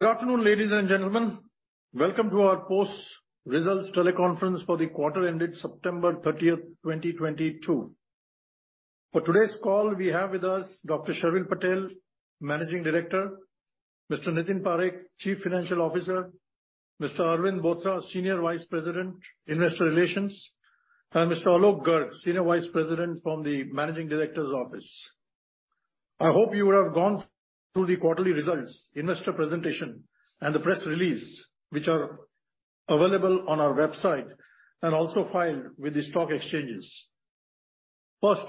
Good afternoon, ladies and gentlemen. Welcome to our post results teleconference for the quarter ended September 30, 2022. For today's call, we have with us Dr. Sharvil Patel, Managing Director, Mr. Nitin Parekh, Chief Financial Officer, Mr. Arvind Bothra, Senior Vice President, Investor Relations, and Mr. Alok Garg, Senior Vice President from the Managing Director's Office. I hope you would have gone through the quarterly results, investor presentation, and the press release, which are available on our website and also filed with the stock exchanges. First,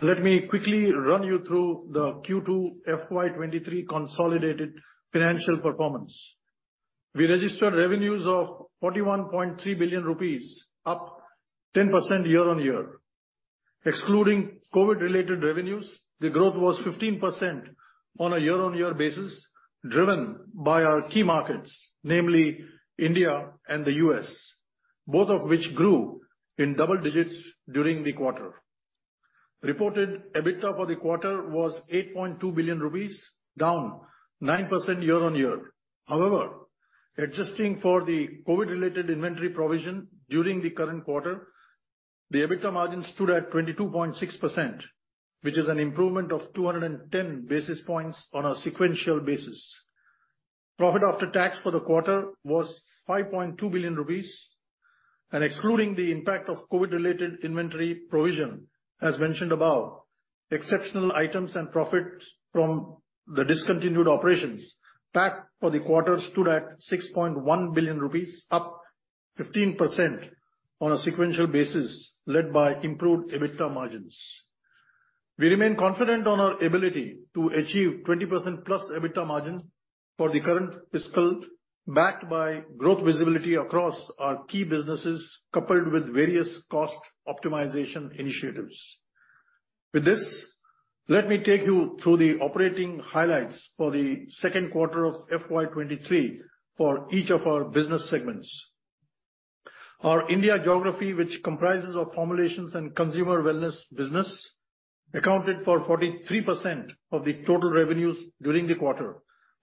let me quickly run you through the Q2 FY23 consolidated financial performance. We registered revenues of 41.3 billion rupees, up 10% year-on-year. Excluding COVID-related revenues, the growth was 15% on a year-on-year basis, driven by our key markets, namely India and the U.S., both of which grew in double digits during the quarter. Reported EBITDA for the quarter was 8.2 billion rupees, down 9% year-on-year. However, adjusting for the COVID-related inventory provision during the current quarter, the EBITDA margin stood at 22.6%, which is an improvement of 210 basis points on a sequential basis. Profit after tax for the quarter was 5.2 billion rupees. Excluding the impact of COVID-related inventory provision, as mentioned above, exceptional items and profits from the discontinued operations, PAT for the quarter stood at 6.1 billion rupees, up 15% on a sequential basis, led by improved EBITDA margins. We remain confident on our ability to achieve 20%+ EBITDA margins for the current fiscal, backed by growth visibility across our key businesses, coupled with various cost optimization initiatives. With this, let me take you through the operating highlights for the second quarter of FY 2023 for each of our business segments. Our India geography, which comprises of Formulations and Consumer Wellness business, accounted for 43% of the total revenues during the quarter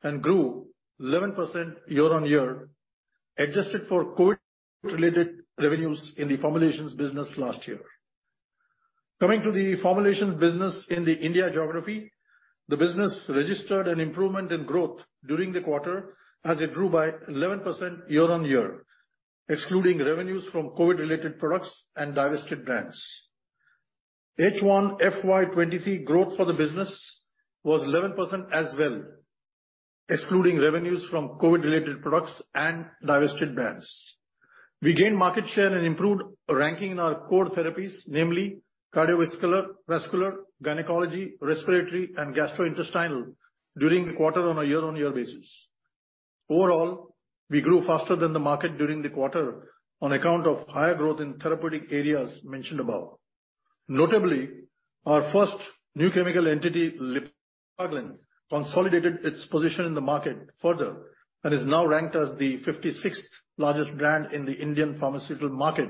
and grew 11% year-on-year, adjusted for COVID-related revenues in the Formulations business last year. Coming to the Formulations business in the India geography, the business registered an improvement in growth during the quarter as it grew by 11% year-on-year, excluding revenues from COVID-related products and divested brands. H1 FY 2023 growth for the business was 11% as well, excluding revenues from COVID-related products and divested brands. We gained market share and improved ranking in our core therapies, namely cardiovascular, vascular, gynecology, respiratory, and gastrointestinal during the quarter on a year-on-year basis. Overall, we grew faster than the market during the quarter on account of higher growth in therapeutic areas mentioned above. Notably, our first new chemical entity, Lipaglyn, consolidated its position in the market further and is now ranked as the 56th largest brand in the Indian pharmaceutical market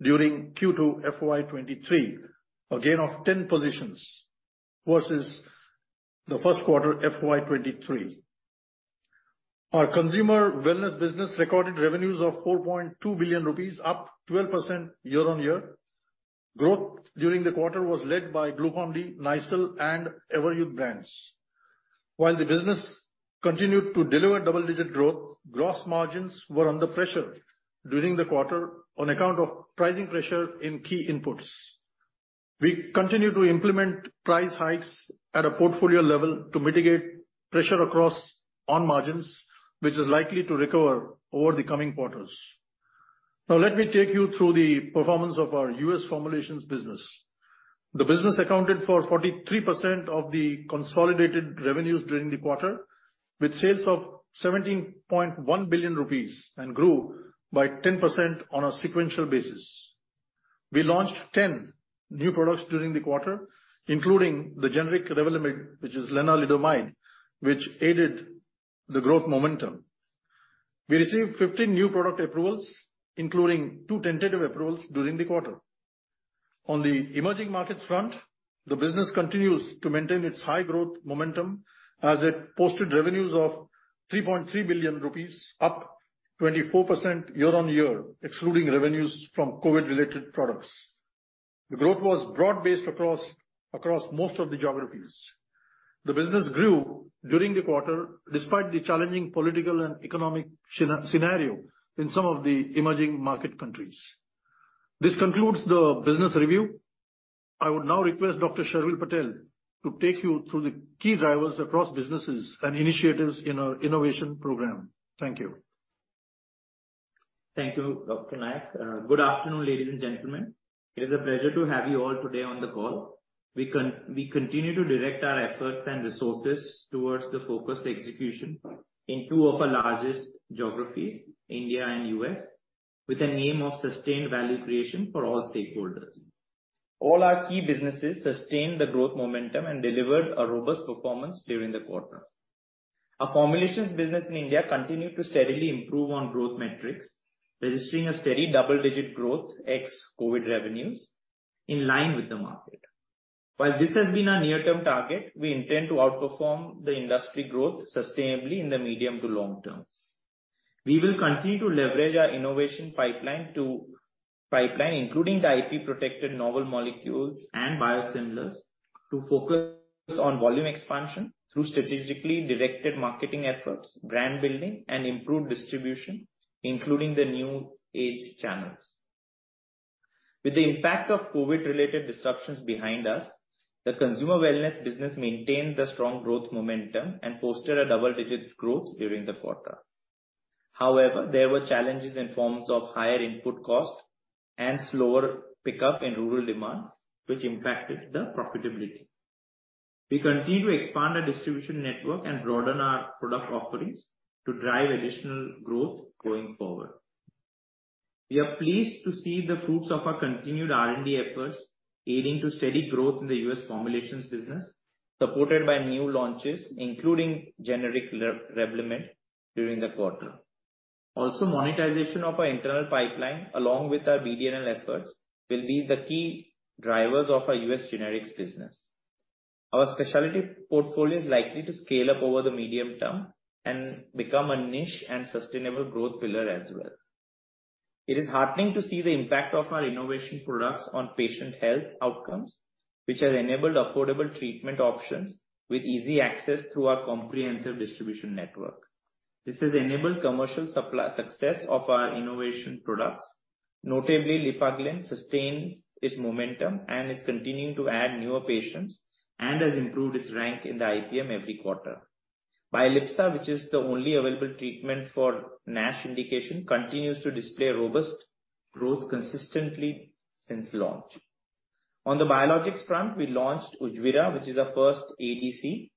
during Q2 FY 2023, a gain of 10 positions versus the first quarter FY 2023. Our Consumer Wellness business recorded revenues of 4.2 billion rupees, up 12% year-on-year. Growth during the quarter was led by Glucon-D, Nycil, and Everyuth brands. While the business continued to deliver double-digit growth, gross margins were under pressure during the quarter on account of pricing pressure in key inputs. We continue to implement price hikes at a portfolio level to mitigate pressure on margins, which is likely to recover over the coming quarters. Now let me take you through the performance of our U.S. Formulations business. The business accounted for 43% of the consolidated revenues during the quarter, with sales of 17.1 billion rupees and grew by 10% on a sequential basis. We launched 10 new products during the quarter, including the generic Revlimid, which is lenalidomide, which aided the growth momentum. We received 15 new product approvals, including two tentative approvals during the quarter. On the emerging markets front, the business continues to maintain its high growth momentum as it posted revenues of 3.3 billion rupees, up 24% year-on-year, excluding revenues from COVID-related products. The growth was broad-based across most of the geographies. The business grew during the quarter despite the challenging political and economic scenario in some of the emerging market countries. This concludes the business review. I would now request Dr. Sharvil Patel to take you through the key drivers across businesses and initiatives in our innovation program. Thank you. Thank you, Dr. Nayak. Good afternoon, ladies and gentlemen. It is a pleasure to have you all today on the call. We continue to direct our efforts and resources towards the focused execution in two of our largest geographies, India and U.S., with an aim of sustained value creation for all stakeholders. All our key businesses sustained the growth momentum and delivered a robust performance during the quarter. Our Formulations business in India continued to steadily improve on growth metrics, registering a steady double-digit growth ex-COVID revenues in line with the market. While this has been our near-term target, we intend to outperform the industry growth sustainably in the medium to long term. We will continue to leverage our innovation pipeline, including the IP-protected novel molecules and biosimilars, to focus on volume expansion through strategically directed marketing efforts, brand building and improved distribution, including the new age channels. With the impact of COVID-related disruptions behind us, the consumer wellness business maintained the strong growth momentum and posted a double-digit growth during the quarter. However, there were challenges in the form of higher input costs and slower pickup in rural demand, which impacted profitability. We continue to expand our distribution network and broaden our product offerings to drive additional growth going forward. We are pleased to see the fruits of our continued R&D efforts aiding steady growth in the U.S. formulations business, supported by new launches, including generic Revlimid during the quarter. Also, monetization of our internal pipeline, along with our BD&L efforts, will be the key drivers of our U.S. generics business. Our specialty portfolio is likely to scale up over the medium term and become a niche and sustainable growth pillar as well. It is heartening to see the impact of our innovation products on patient health outcomes, which have enabled affordable treatment options with easy access through our comprehensive distribution network. This has enabled commercial supply success of our innovation products. Notably, Lipaglyn sustains its momentum and is continuing to add newer patients and has improved its rank in the IPM every quarter. Bilypsa, which is the only available treatment for NASH indication, continues to display robust growth consistently since launch. On the biologics front, we launched Ujvira, which is our first ADC,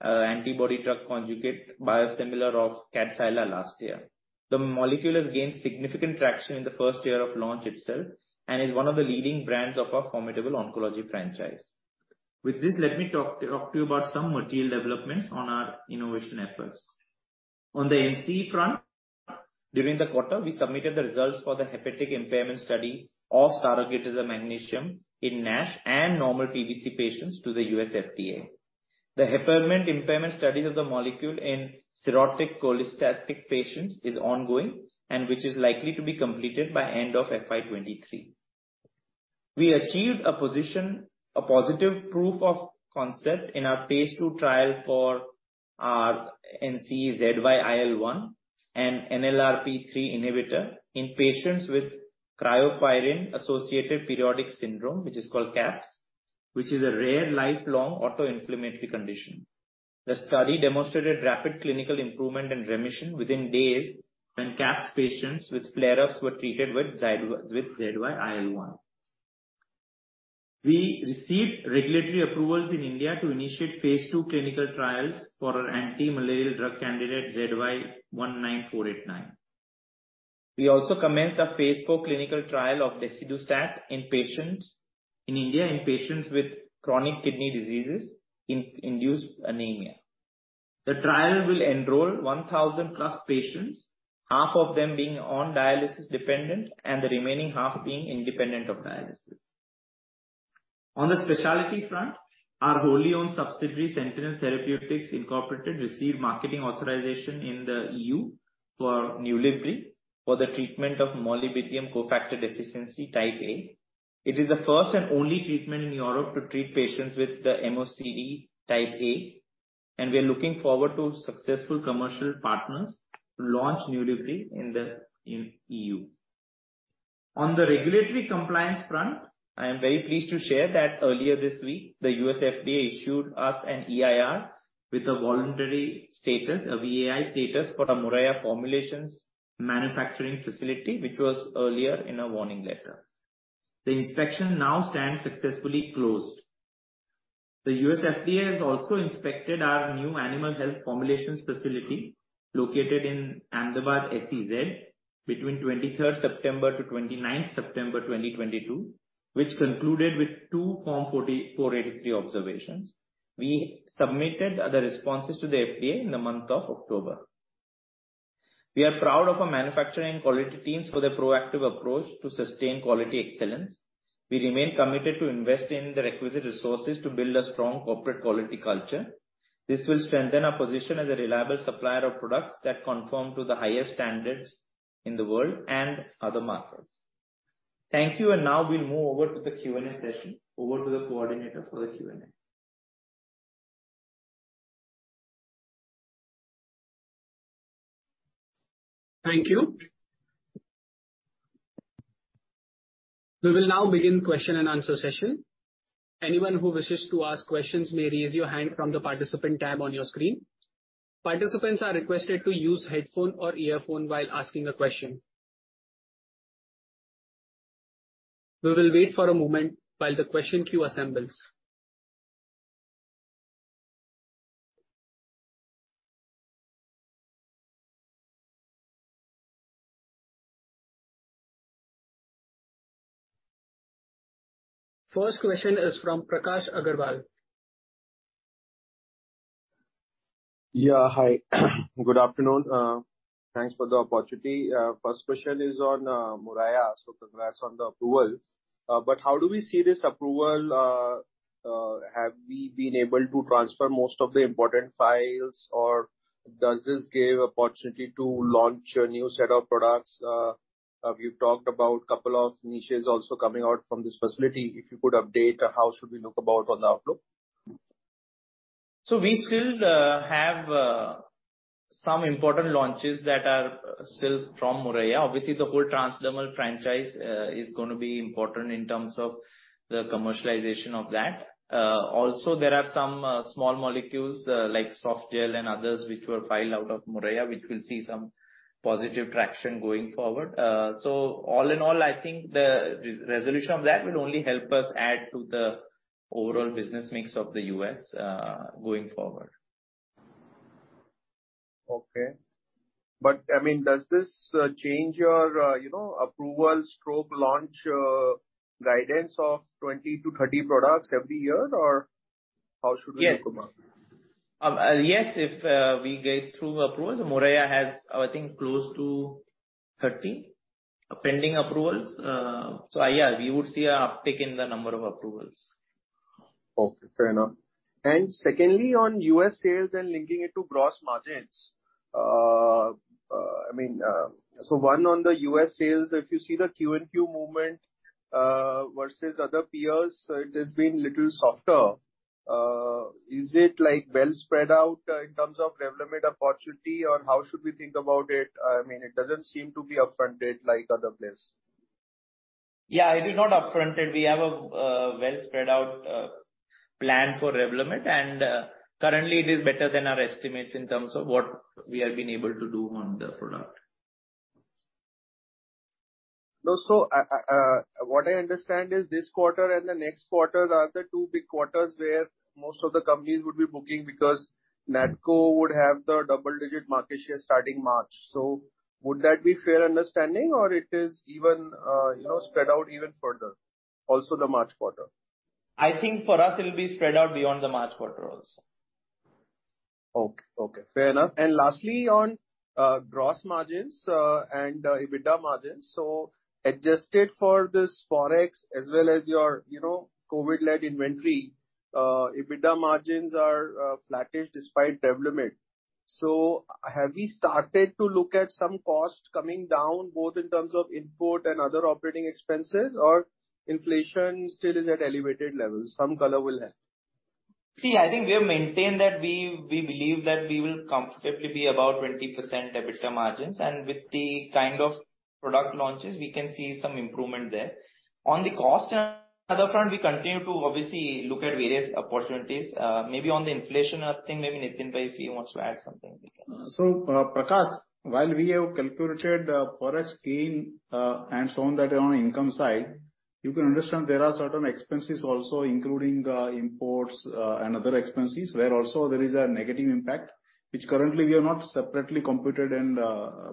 antibody drug conjugate biosimilar of Kadcyla last year. The molecule has gained significant traction in the first year of launch itself and is one of the leading brands of our formidable oncology franchise. With this, let me talk to you about some material developments on our innovation efforts. On the NCE front, during the quarter, we submitted the results for the hepatic impairment study of saroglitazar magnesium in NASH and PBC patients to the U.S. FDA. The hepatic impairment studies of the molecule in cirrhotic cholestatic patients is ongoing and which is likely to be completed by end of FY 2023. We achieved a positive proof of concept in our phase II trial for our NCE ZYIL1, an NLRP3 inhibitor in patients with cryopyrin-associated periodic syndrome, which is called CAPS, which is a rare lifelong autoinflammatory condition. The study demonstrated rapid clinical improvement and remission within days when CAPS patients with flare-ups were treated with ZYIL1. We received regulatory approvals in India to initiate phase II clinical trials for our anti-malarial drug candidate ZY19489. We also commenced a phase IV clinical trial of Desidustat in patients in India with chronic kidney disease-induced anemia. The trial will enroll 1,000+ patients, half of them being dialysis-dependent and the remaining half being dialysis-independent. On the specialty front, our wholly-owned subsidiary, Sentynl Therapeutics, Inc., received marketing authorization in the E.U. for Nulibry for the treatment of molybdenum cofactor deficiency type A. It is the first and only treatment in Europe to treat patients with the MoCD type A, and we are looking forward to successful commercial partners to launch Nulibry in the E.U.. On the regulatory compliance front, I am very pleased to share that earlier this week, the U.S. FDA issued us an EIR with a voluntary status, a VAI status for our Moraiya formulations manufacturing facility, which was earlier in a warning letter. The inspection now stands successfully closed. The U.S. FDA has also inspected our new animal health formulations facility located in Ahmedabad SEZ between September 23rd to September 29th, 2022, which concluded with two Form 483 observations. We submitted the responses to the FDA in the month of October. We are proud of our manufacturing quality teams for their proactive approach to sustain quality excellence. We remain committed to invest in the requisite resources to build a strong corporate quality culture. This will strengthen our position as a reliable supplier of products that conform to the highest standards in the world and other markets. Thank you. Now we'll move over to the Q&A session. Over to the coordinator for the Q&A. Thank you. We will now begin question and answer session. Anyone who wishes to ask questions may raise your hand from the Participant tab on your screen. Participants are requested to use headphone or earphone while asking a question. We will wait for a moment while the question queue assembles. First question is from Prakash Agarwal. Yeah, hi. Good afternoon. Thanks for the opportunity. First question is on Moraiya. Congrats on the approval. How do we see this approval? Have we been able to transfer most of the important files or does this give opportunity to launch a new set of products? We've talked about couple of niches also coming out from this facility. If you could update, how should we look at the outlook? We still have some important launches that are still from Moraiya. Obviously, the whole transdermal franchise is gonna be important in terms of the commercialization of that. Also there are some small molecules like softgel and others which were filed out of Moraiya, which will see some positive traction going forward. All in all, I think the re-resolution of that will only help us add to the overall business mix of the U.S. going forward. I mean, does this change your approvals/launch guidance of 20-30 products every year or how should we look at it? Yes, if we get through approvals. Moraiya has, I think, close to 30 pending approvals. Yeah, we would see an uptick in the number of approvals. Okay, fair enough. Secondly, on U.S. sales and linking it to gross margins. I mean, so one on the U.S. sales, if you see the Q-on-Q movement versus other peers, it has been little softer. Is it like well spread out in terms of Revlimid opportunity or how should we think about it? I mean, it doesn't seem to be up-fronted like other place. Yeah, it is not up-fronted. We have a well spread out plan for Revlimid, and currently it is better than our estimates in terms of what we have been able to do on the product. What I understand is this quarter and the next quarter are the two big quarters where most of the companies would be booking because Natco would have the double-digit market share starting March. Would that be fair understanding or it is even spread out even further, also the March quarter? I think for us it'll be spread out beyond the March quarter also. Okay. Fair enough. Lastly, on gross margins and EBITDA margins. Adjusted for this Forex as well as your, you know, COVID-led inventory, EBITDA margins are flattish despite Revlimid. Have we started to look at some costs coming down, both in terms of import and other operating expenses or inflation still is at elevated levels? Some color will help. See, I think we have maintained that we believe that we will comfortably be about 20% EBITDA margins and with the kind of product launches we can see some improvement there. On the cost and other front, we continue to obviously look at various opportunities. Maybe on the inflation thing, maybe Nitin bhai if he wants to add something he can. Prakash, while we have calculated Forex gain and shown that on income side, you can understand there are certain expenses also including imports and other expenses. Where also there is a negative impact which currently we have not separately computed and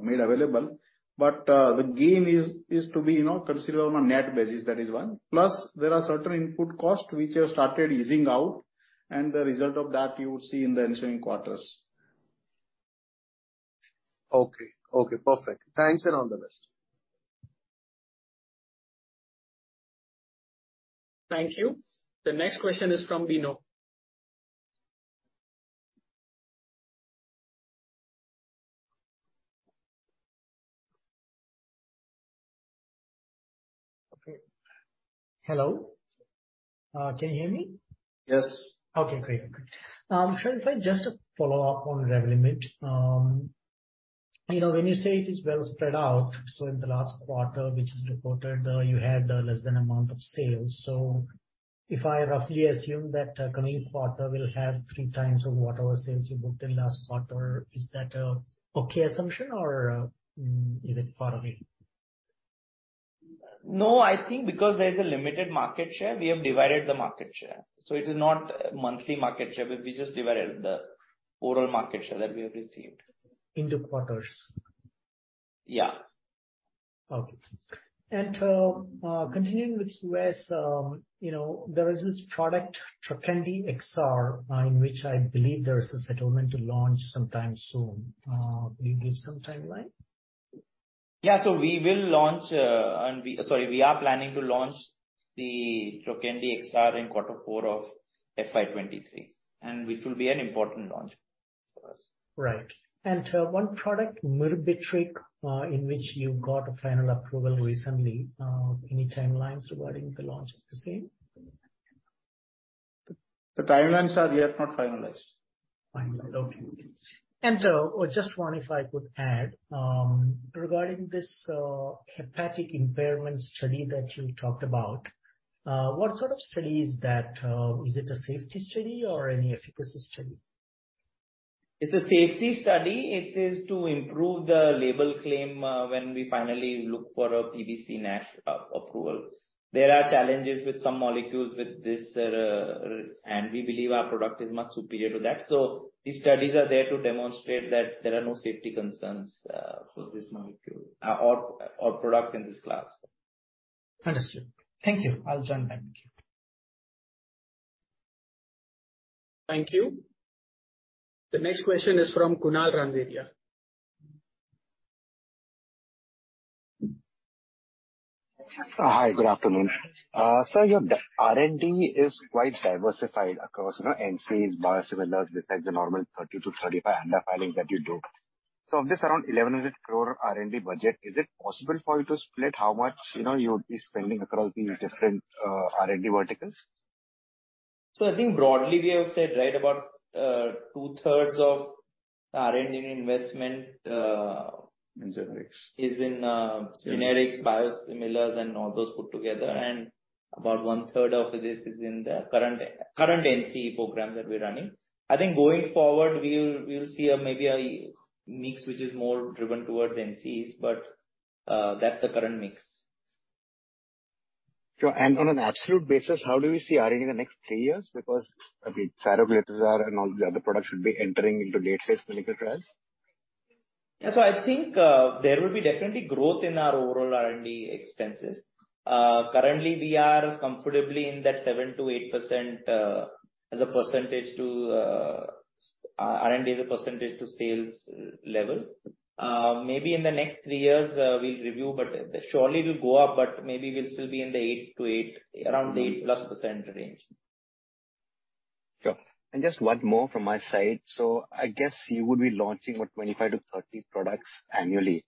made available. The gain is to be, you know, considered on a net basis. That is one. Plus there are certain input costs which have started easing out and the result of that you will see in the ensuing quarters. Okay. Okay, perfect. Thanks and all the best. Thank you. The next question is from Vino. Okay. Hello? Can you hear me? Yes. Okay, great. Sharvil, if I just follow up on Revlimid. You know, when you say it is well spread out, in the last quarter which is reported, you had less than the amount of sales. If I roughly assume that, coming quarter will have three times of whatever sales you booked in last quarter, is that an okay assumption or is it far away? No, I think because there is a limited market share, we have divided the market share. It is not monthly market share, but we just divided the overall market share that we have received. Into quarters. Yeah. Okay. Continuing with U.S., you know, there is this product, Trokendi XR, in which I believe there is a settlement to launch sometime soon. Can you give some timeline? We are planning to launch the Trokendi XR in quarter four of FY 2023, and which will be an important launch for us. Right. One product, Myrbetriq, in which you got a final approval recently. Any timelines regarding the launch of the same? The timelines are yet not finalized. Finalized. Okay. Or just one if I could add, regarding this, hepatic impairment study that you talked about. What sort of study is that? Is it a safety study or any efficacy study? It's a safety study. It is to improve the label claim, when we finally look for a PBC NASH approval. There are challenges with some molecules with this. We believe our product is much superior to that. These studies are there to demonstrate that there are no safety concerns for this molecule or products in this class. Understood. Thank you. I'll join back. Thank you. The next question is from Kunal Randeria. Hi, good afternoon. Sir, your R&D is quite diversified across, you know, NCEs biosimilars besides the normal 30-35 ANDA filings that you do. Of this around 1,100 crore R&D budget, is it possible for you to split how much, you know, you would be spending across these different R&D verticals? I think broadly we have said, right, about 2/3 of R&D investment. In generics. is in generics, biosimilars, and all those put together. About 1/3 of this is in the current NC programs that we're running. I think going forward, we will see a maybe a mix which is more driven towards NCs, but that's the current mix. Sure. On an absolute basis, how do we see R&D in the next three years? Because, I mean, saroglitazar and all the other products should be entering into late-stage clinical trials. Yeah. I think there will be definitely growth in our overall R&D expenses. Currently we are comfortably in that 7%-8% as a percentage to R&D as a percentage to sales level. Maybe in the next three years we'll review, but surely it'll go up, but maybe we'll still be in the around the 8%+ range. Sure. Just one more from my side. I guess you would be launching, what, 25-30 products annually.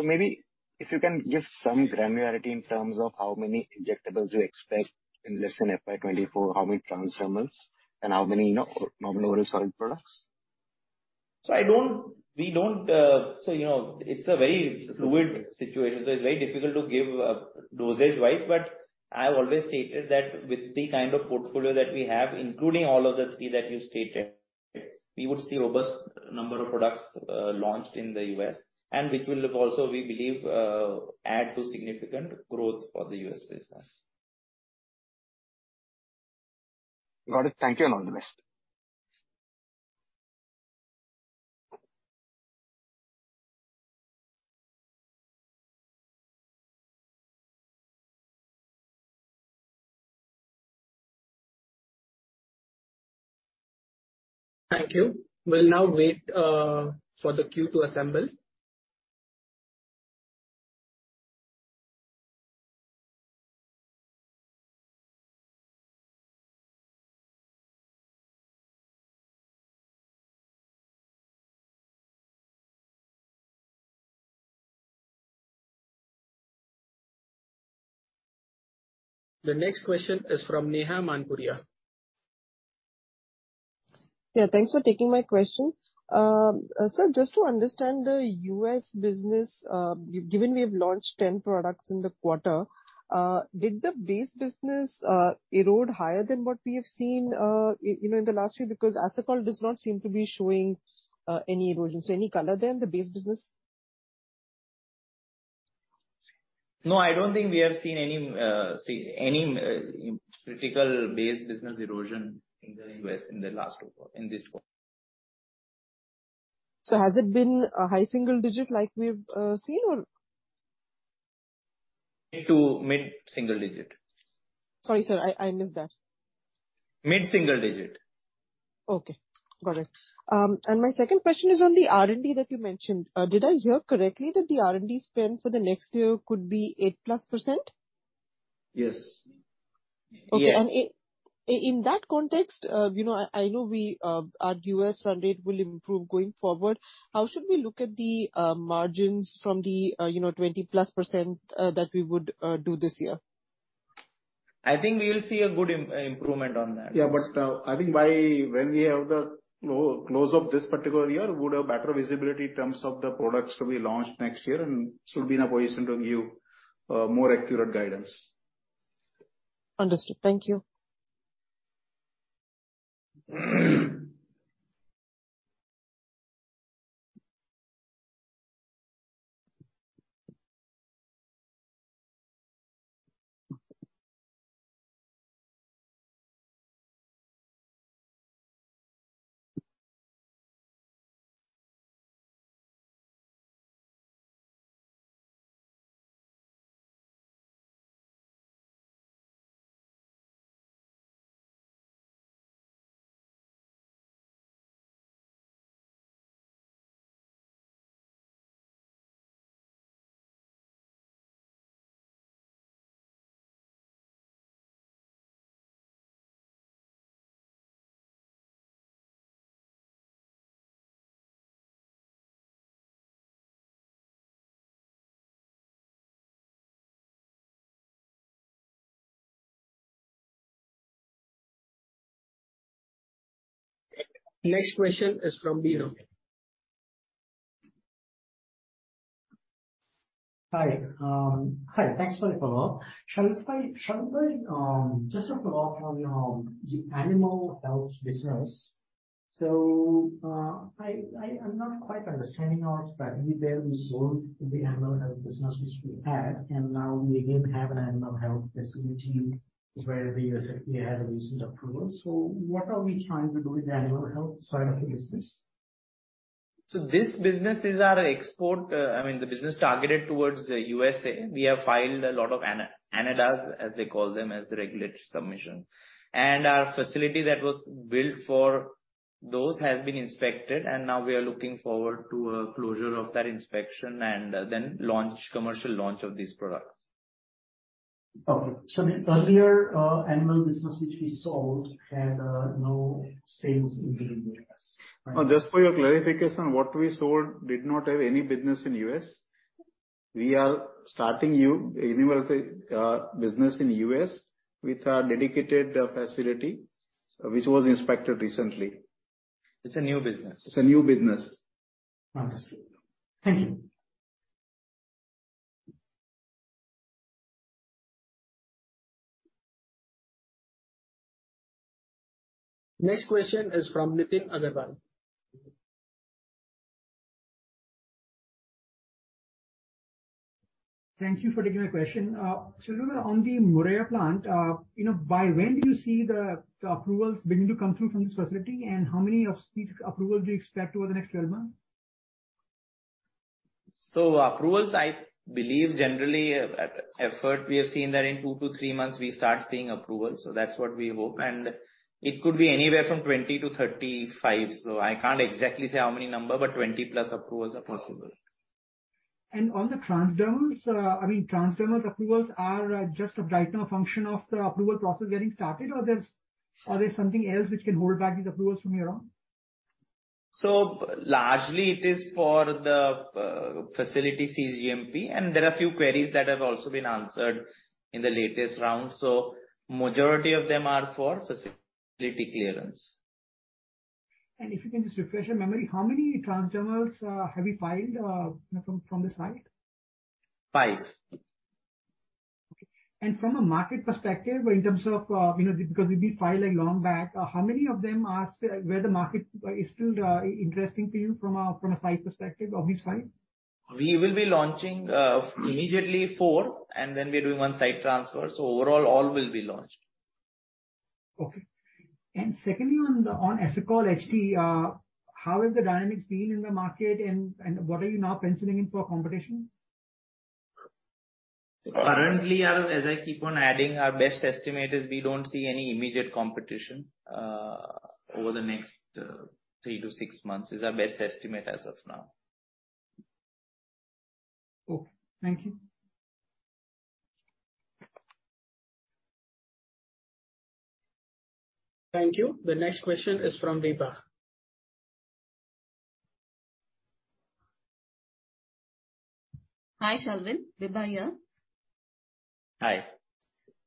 Maybe if you can give some granularity in terms of how many injectables you expect in less than FY 2024, how many transdermals, and how many, you know, normal oral solid products. You know, it's a very fluid situation, so it's very difficult to give dosage-wise. I've always stated that with the kind of portfolio that we have, including all of the three that you stated, we would see robust number of products launched in the U.S. and which will also, we believe, add to significant growth for the U.S. business. Got it. Thank you, and all the best. Thank you. We'll now wait for the queue to assemble. The next question is from Neha Manpuria. Yeah, thanks for taking my question. Sir, just to understand the U.S. business, given we have launched 10 products in the quarter, did the base business erode higher than what we have seen, you know, in the last few? Because Asacol does not seem to be showing any erosion, so any color there on the base business? No, I don't think we have seen any critical base business erosion in the U.S. in the last quarter, in this quarter. Has it been a high single digit like we've seen or? To mid-single digit. Sorry, sir, I missed that. Mid-single-digit. Okay. Got it. My second question is on the R&D that you mentioned. Did I hear correctly that the R&D spend for the next year could be 8%+? Yes. Yeah. Okay. In that context, you know, I know our U.S. run rate will improve going forward. How should we look at the margins from the, you know, 20%+ that we would do this year? I think we will see a good improvement on that. I think by when we have the close of this particular year, we would have better visibility in terms of the products to be launched next year and should be in a position to give more accurate guidance. Understood. Thank you. Next question is from Biraj. Hi. Hi. Thanks for the follow-up. Shall I just follow up on the animal health business? I am not quite understanding how it's happening there. We sold the animal health business which we had, and now we again have an animal health facility where the U.S. FDA had a recent approval. What are we trying to do with the animal health side of the business? This business is our export, I mean, the business targeted towards U.S. We have filed a lot of ANDAs, as they call them, as the regulatory submission. Our facility that was built for those has been inspected, and now we are looking forward to a closure of that inspection and, then launch, commercial launch of these products. Okay. The earlier animal business which we sold had no sales in the U.S., right? No, just for your clarification, what we sold did not have any business in U.S. We are starting new animal business in U.S. with our dedicated facility, which was inspected recently. It's a new business. It's a new business. Understood. Thank you. Next question is from Nitin Agarwal. Thank you for taking my question. Sharvil, on the Moraiya plant, you know, by when do you see the approvals begin to come through from this facility, and how many of these approvals do you expect over the next 12 months? Approvals, I believe generally, after it, we have seen that in two-three months we start seeing approvals. That's what we hope. It could be anywhere from 20-35. I can't exactly say how many number, but 20+ approvals are possible. On the transdermals, I mean, transdermals approvals are just right now a function of the approval process getting started, or there's something else which can hold back the approvals from your end? Largely it is for the facility cGMP, and there are a few queries that have also been answered in the latest round. Majority of them are for facility clearance. If you can just refresh your memory, how many transdermals have you filed from the site? Five. Okay. From a market perspective, in terms of, you know, because it did file, like, long back, how many of them are where the market is still interesting to you from a site perspective, of this site? We will be launching immediately four, and then we're doing one site transfer. Overall all will be launched. Okay. Secondly, on Asacol HD, how have the dynamics been in the market and what are you now penciling in for competition? Currently, as I keep on adding, our best estimate is we don't see any immediate competition over the next three to six months, is our best estimate as of now. Okay. Thank you. Thank you. The next question is from Vibha. Hi, Sharvil. Vibha here. Hi.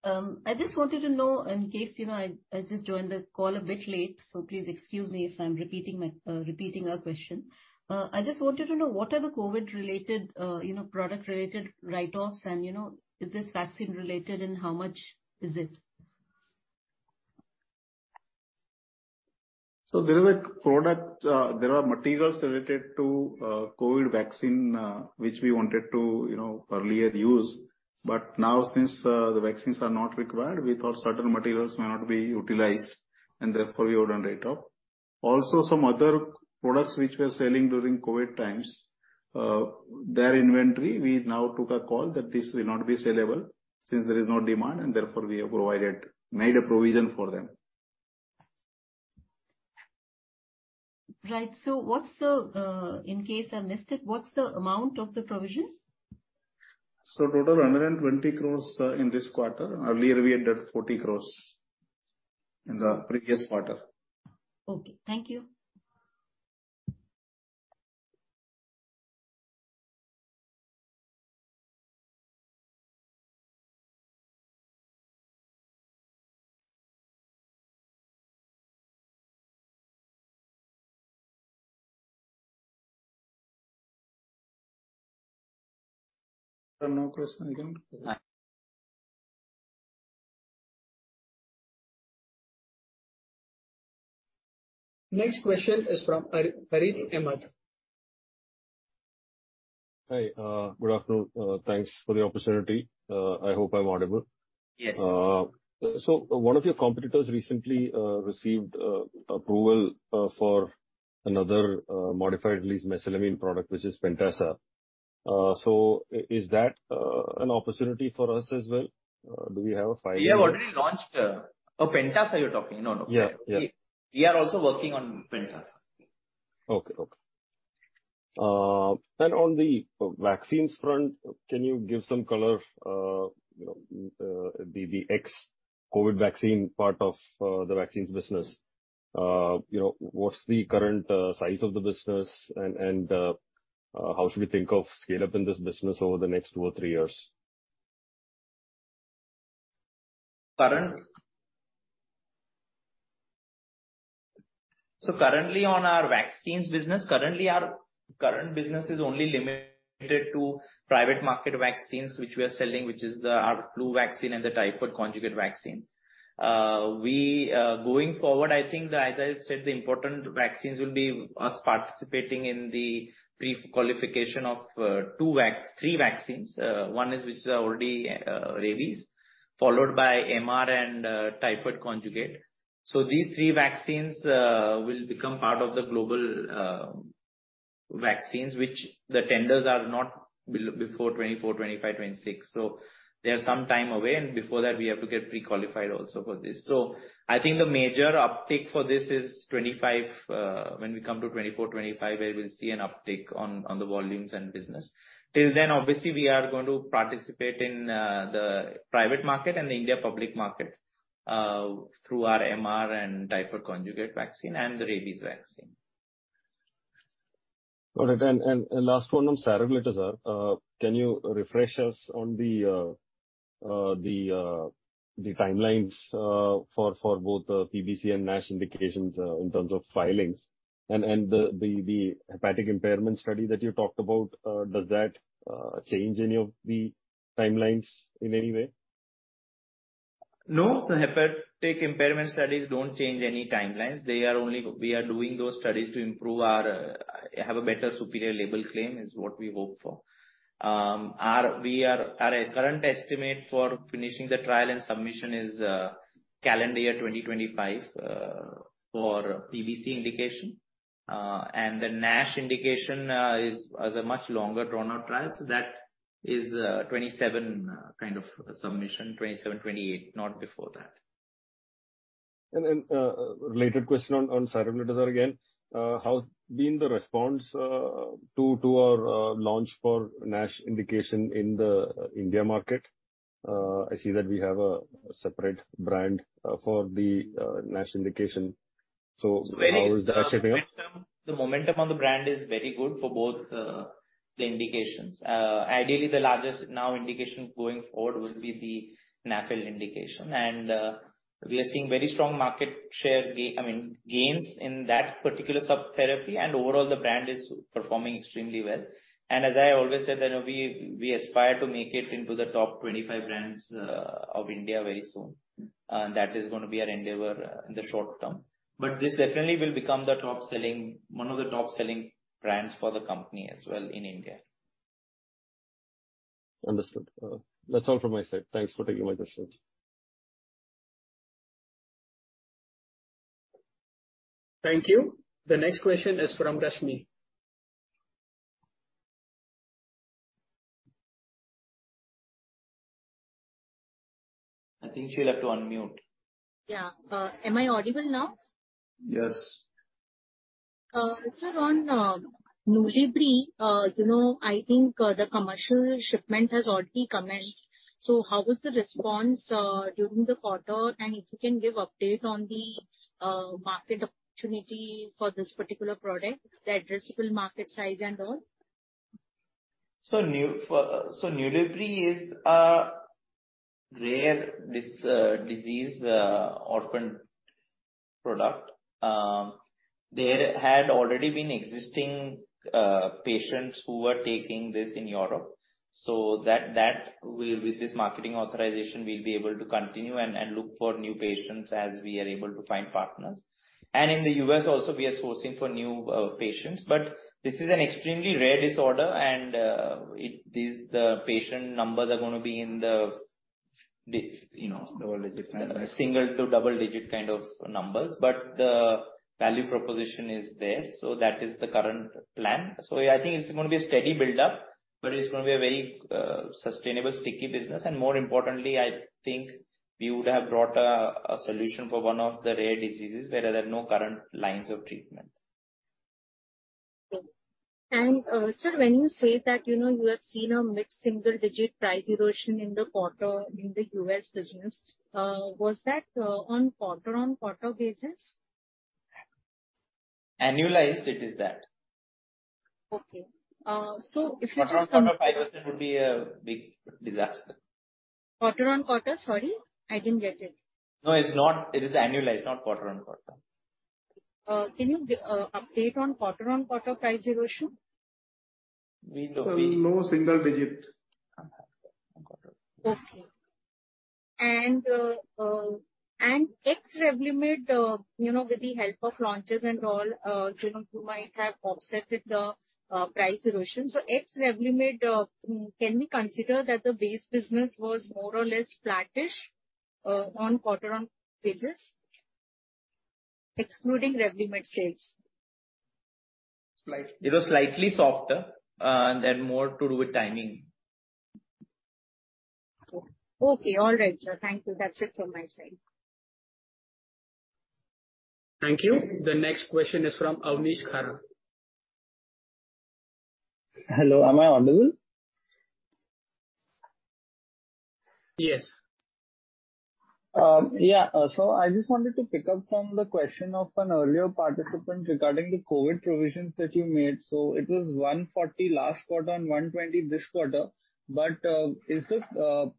I just wanted to know in case, you know, I just joined the call a bit late, so please excuse me if I'm repeating our question. I just wanted to know, what are the COVID-related, you know, product-related write-offs and, you know, is this vaccine related and how much is it? There are materials related to COVID vaccine which we wanted to, you know, earlier use. Now since the vaccines are not required, we thought certain materials may not be utilized and therefore we would write off. Also some other products which we were selling during COVID times, their inventory, we now took a call that this will not be sellable since there is no demand and therefore we have made a provision for them. Right. What's the, in case I missed it, what's the amount of the provision? Total 120 crore in this quarter. Earlier we entered 40 crore in the previous quarter. Okay. Thank you. No questions again. Hi. Next question is from Harit Hemad. Hi. Good afternoon. Thanks for the opportunity. I hope I'm audible. Yes. One of your competitors recently received approval for another modified-release mesalamine product, which is Pentasa. Is that an opportunity for us as well? Do we have a filing- We have already launched. Oh, Pentasa you're talking? No, no. Yeah. Yeah. We are also working on Pentasa. On the vaccines front, can you give some color, you know, the ex-COVID vaccine part of the vaccines business? You know, what's the current size of the business and how should we think of scale-up in this business over the next two or three years? Currently on our vaccines business, currently our current business is only limited to private market vaccines, which we are selling, which is the VaxiFlu vaccine and the typhoid conjugate vaccine. Going forward, I think that, as I said, the important vaccines will be us participating in the pre-qualification of three vaccines. One is rabies, followed by MR and typhoid conjugate. These three vaccines will become part of the global vaccines, which the tenders are not before 2024, 2025, 2026. They are some time away, and before that we have to get pre-qualified also for this. I think the major uptick for this is 2025. When we come to 2024, 2025, where we'll see an uptick on the volumes and business. Till then obviously we are going to participate in the private market and the India public market through our MR and typhoid conjugate vaccine and the rabies vaccine. All right. Last one on saroglitazar. Can you refresh us on the timelines for both the PBC and NASH indications in terms of filings and the hepatic impairment study that you talked about? Does that change any of the timelines in any way? No. The hepatic impairment studies don't change any timelines. They are only. We are doing those studies to have a better superior label claim, is what we hope for. Our current estimate for finishing the trial and submission is calendar year 2025 for PBC indication. The NASH indication is a much longer drawn out trial. That is 2027 kind of submission. 2027, 2028, not before that. Related question on saroglitazar again. How's been the response to our launch for NASH indication in the India market? I see that we have a separate brand for the NASH indication. How is that shaping up? The momentum on the brand is very good for both, the indications. Ideally, the largest now indication going forward will be the NAFLD indication. We are seeing very strong market share I mean, gains in that particular sub-therapy. Overall the brand is performing extremely well. As I always said that we aspire to make it into the top 25 brands of India very soon. That is gonna be our endeavor in the short term. This definitely will become the top selling, one of the top selling brands for the company as well in India. Understood. That's all from my side. Thanks for taking my questions. Thank you. The next question is from Rashmi. I think she'll have to unmute. Yeah. Am I audible now? Yes. Sir, on Nulibry, you know, I think the commercial shipment has already commenced. How was the response during the quarter? If you can give update on the market opportunity for this particular product, the addressable market size and all. Nulibry is a rare disease orphan product. There had already been existing patients who were taking this in Europe. That will, with this marketing authorization, we'll be able to continue and look for new patients as we are able to find partners. In the U.S. also we are sourcing for new patients. This is an extremely rare disorder and the patient numbers are gonna be in the single- to double-digit kind of numbers, you know, but the value proposition is there. That is the current plan. Yeah, I think it's gonna be a steady build-up, but it's gonna be a very sustainable sticky business. More importantly, I think we would have brought a solution for one of the rare diseases where there are no current lines of treatment. Sir, when you say that, you know, you have seen a mid-single digit price erosion in the quarter in the U.S. business, was that on quarter-on-quarter basis? Annualized it is that. Okay. If Quarter-on-quarter 5% would be a big disaster. Quarter-over-quarter. Sorry, I didn't get it. No, it's not. It is annualized, not quarter-on-quarter. Can you update on quarter-on-quarter price erosion? We don't. Sir, no single digit. Ex Revlimid, you know, with the help of launches and all, you know, you might have offset the price erosion. ex Revlimid, can we consider that the base business was more or less flattish on quarter-on-quarter basis, excluding Revlimid sales? Slight. It was slightly softer, and then more to do with timing. Okay. All right, sir. Thank you. That's it from my side. Thank you. The next question is from Avnish Khara. Hello, am I audible? Yes. Yeah. I just wanted to pick up from the question of an earlier participant regarding the COVID provisions that you made. It was 140 last quarter and 120 this quarter. Is this the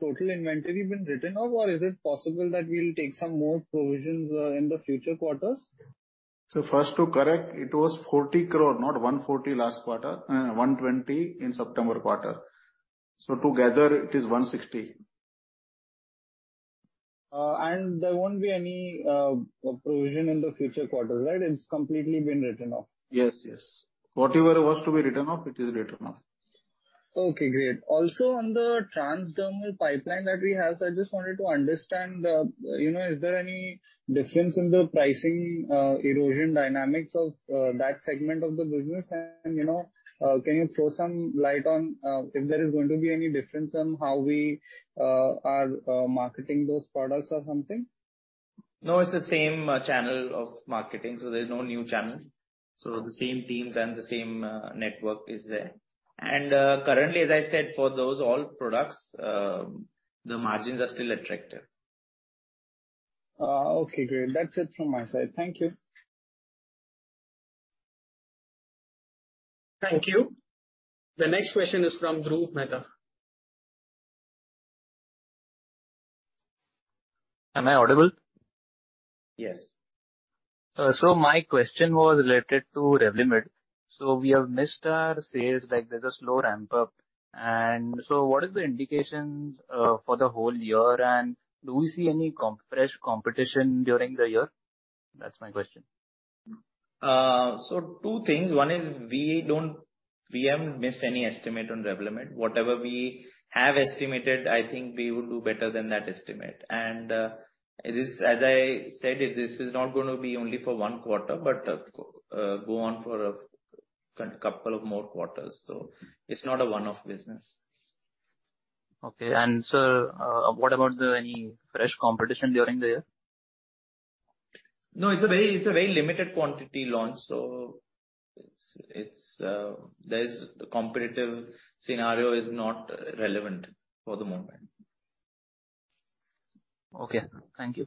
total inventory been written off, or is it possible that we'll take some more provisions in the future quarters? First to correct, it was 40 crore, not 140 last quarter. One twenty in September quarter. Together it is 160. There won't be any provision in the future quarters, right? It's completely been written off. Yes. Yes. Whatever was to be written off, it is written off. Okay, great. Also on the transdermal pipeline that we have, I just wanted to understand, you know, is there any difference in the pricing erosion dynamics of that segment of the business? You know, can you throw some light on if there is going to be any difference on how we are marketing those products or something? No, it's the same channel of marketing, so there's no new channel. The same teams and the same network is there. Currently, as I said, for those all products, the margins are still attractive. Okay, great. That's it from my side. Thank you. Thank you. The next question is from Dhruv Mehta. Am I audible? Yes. My question was related to Revlimid. We have missed our sales, like there's a slow ramp-up. What is the indications for the whole year, and do we see any fresh competition during the year? That's my question. Two things. One is we haven't missed any estimate on Revlimid. Whatever we have estimated, I think we would do better than that estimate and go on for a couple of more quarters. It's not a one-off business. Sir, what about any fresh competition during the year? No, it's a very limited quantity launch. It's, there's. The competitive scenario is not relevant for the moment. Okay. Thank you.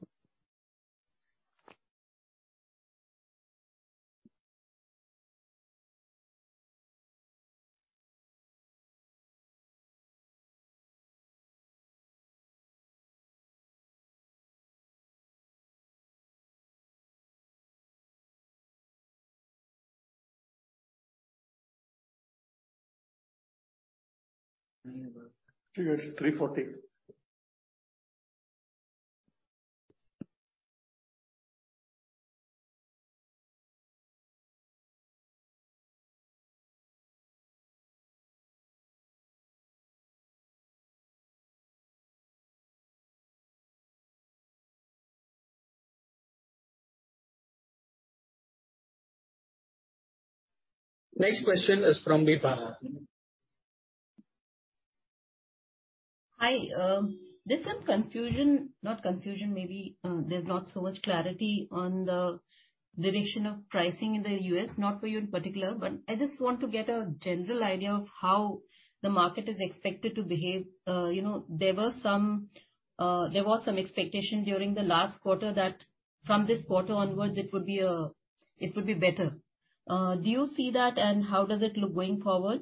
It's 3:40 P.M. Next question is from Vibha. Hi. There's some confusion, not confusion, maybe there's not so much clarity on the direction of pricing in the U.S., not for you in particular, but I just want to get a general idea of how the market is expected to behave. You know, there was some expectation during the last quarter that from this quarter onwards it would be better. Do you see that? How does it look going forward?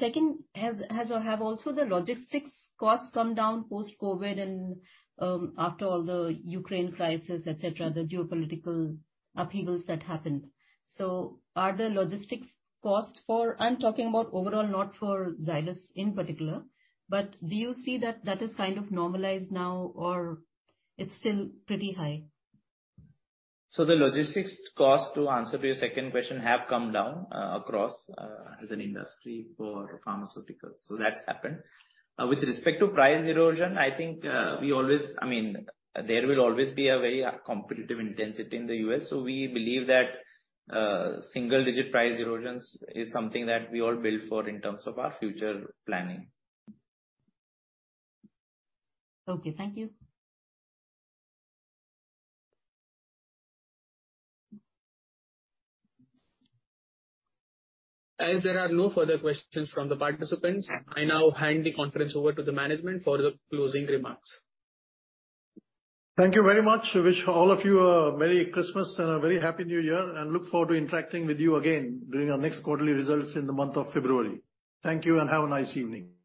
Second, has or have the logistics costs come down post-COVID and after all the Ukraine crisis, et cetera, the geopolitical upheavals that happened? Are the logistics costs for... I'm talking about overall, not for Zydus in particular, but do you see that is kind of normalized now or it's still pretty high? The logistics cost, to answer to your second question, have come down across as an industry for pharmaceuticals. That's happened. With respect to price erosion, I think, we always I mean, there will always be a very competitive intensity in the U.S., so we believe that, single-digit price erosions is something that we all build for in terms of our future planning. Okay. Thank you. As there are no further questions from the participants, I now hand the conference over to the management for the closing remarks. Thank you very much. I wish all of you a merry Christmas and a very happy New Year, and look forward to interacting with you again during our next quarterly results in the month of February. Thank you, and have a nice evening.